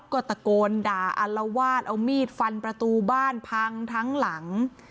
ก็ตะโกนด่าอัลวาดเอามีดฟันประตูบ้านพังทั้งหลัง